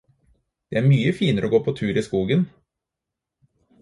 Det er mye finere å gå på tur i skogen.